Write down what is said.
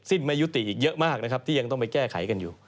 สิ้นไม่ยุติอีกเยอะมากที่ยังต้องไปแก้ไขกันอยู่